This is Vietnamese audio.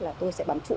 là tôi sẽ bám trụ